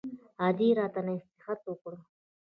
ادې راته نصيحت وکړ.